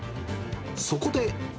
そこで。